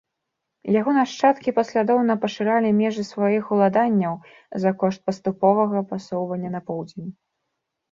Яго нашчадкі паслядоўна пашыралі межы сваіх уладанняў за кошт паступовага пасоўвання на поўдзень.